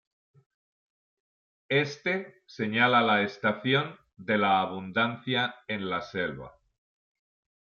Éste señala la estación de la abundancia en la selva.